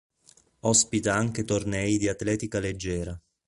Ospita anche tornei di atletica leggera.